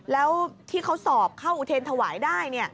แล้วที่เขาสอบเข้าอุเทรนถวายได้